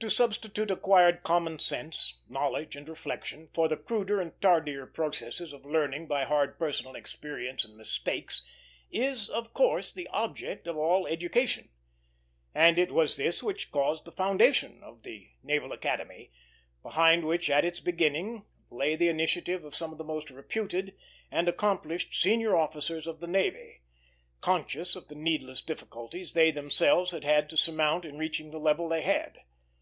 To substitute acquired common sense knowledge and reflection for the cruder and tardier processes of learning by hard personal experience and mistakes, is, of course, the object of all education; and it was this which caused the foundation of the Naval Academy, behind which at its beginning lay the initiative of some of the most reputed and accomplished senior officers of the navy, conscious of the needless difficulties they themselves had had to surmount in reaching the level they had.